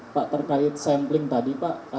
pak terkait sampling tadi pak